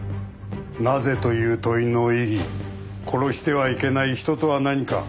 「なぜ」という問いの意義殺してはいけない「人」とは何か。